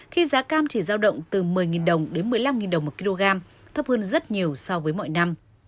khi giá cam chỉ giao động từ một mươi đồng đến một mươi năm đồng một kg thấp hơn rất nhiều so với mọi năm